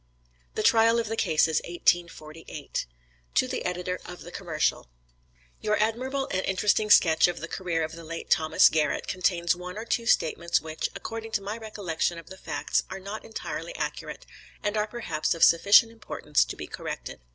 THE TRIAL OF THE CASES, 1848. To the Editor of the Commercial: Your admirable and interesting sketch of the career of the late Thomas Garrett contains one or two statements, which, according to my recollection of the facts, are not entirely accurate, and are perhaps of sufficient importance to be corrected.